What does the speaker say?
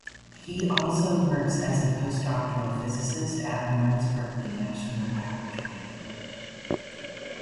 He also works as a postdoctoral physicist at Lawrence Berkeley National Laboratory.